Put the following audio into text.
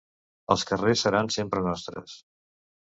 Els carrers seran sempre nostres